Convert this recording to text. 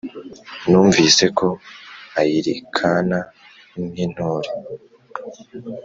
Numvise ko ayirikana nk’intore,